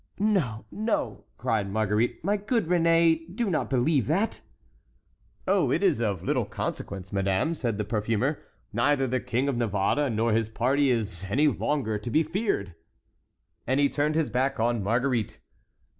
"No, no!" cried Marguerite, "my good Réné, do not believe that!" "Oh, it is of little consequence, madame!" said the perfumer; "neither the King of Navarre nor his party is any longer to be feared!" And he turned his back on Marguerite.